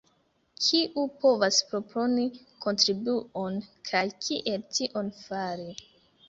Kiu povas proponi kontribuon kaj kiel tion fari?